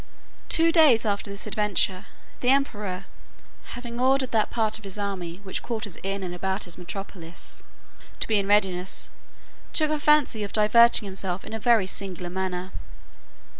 Two days after this adventure, the emperor, having ordered that part of his army which quarters in and about his metropolis, to be in readiness, took a fancy of diverting himself in a very singular manner.